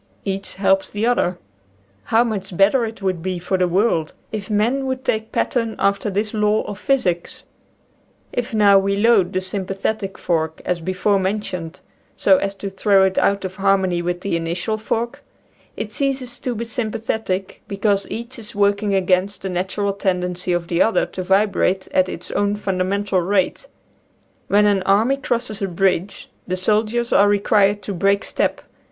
Each helps the other. How much better it would be for the world if men would take pattern after this law of physics ! If now we load the sympathetic fork, as before mentioned, so as to throw it out of harmony with the initial fork, it ceases to be sympathetic, because each is working against the natural tendency of the other to vibrate at its own fundamental rate. When an army crosses a bridge the soldiers are required to break step.